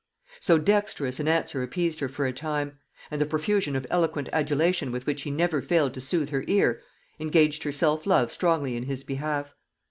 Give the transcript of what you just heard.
So dexterous an answer appeased her for a time; and the profusion of eloquent adulation with which he never failed to soothe her ear, engaged her self love strongly in his behalf.